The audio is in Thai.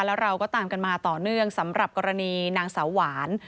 แล้วเราก็ตามกันมาต่อเนื่องสำหรับกรณีนางสาวหวาน